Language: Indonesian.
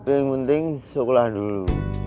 yang penting sekolah dulu